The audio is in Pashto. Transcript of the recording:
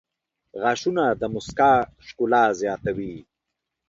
• غاښونه د مسکا ښکلا زیاتوي.